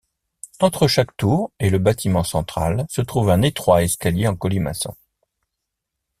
Entre chaque tour et le bâtiment central se trouve un étroit escalier en colimaçon.